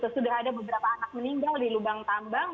sudah ada beberapa anak meninggal di lubang tambang